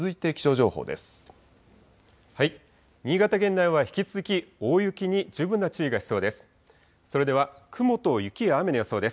新潟県内は引き続き、大雪に十分な注意が必要です。